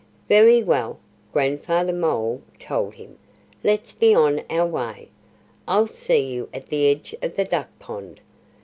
"Very well!" Grandfather Mole told him. "Let's be on our way! I'll see you at the edge of the duck pond."